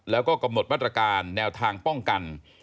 แล้วก็กำหนดมาตรการแนวทางป้องกัน